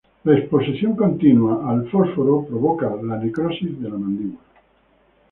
La exposición continua al fósforo provoca la necrosis de la mandíbula.